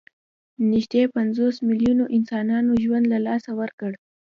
نږدې پنځوس میلیونو انسانانو ژوند له لاسه ورکړ.